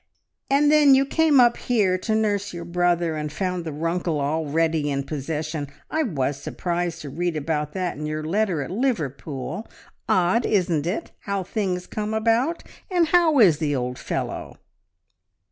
and then you came up here to nurse your brother, and found the Runkle already in possession. I was surprised to read about that in your letter at Liverpool. Odd, isn't it, how things come about? And how is the old fellow?"